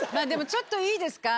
ちょっといいですか？